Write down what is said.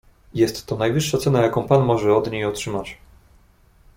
"Jest to najwyższa cena, jaką pan może od niej otrzymać."